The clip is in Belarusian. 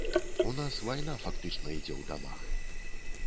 У нас вайна фактычна ідзе ў дамах.